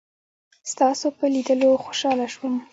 ستاسو په لیدلو خوشحاله شوم.